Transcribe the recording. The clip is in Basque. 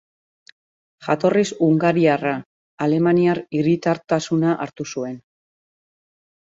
Jatorriz hungariarra, alemaniar hiritartasuna hartu zuen.